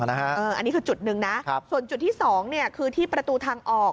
อันนี้คือจุดหนึ่งนะส่วนจุดที่๒คือที่ประตูทางออก